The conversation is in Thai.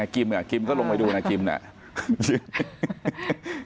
กิมก็ลงไปดูนะกิมเนี่ย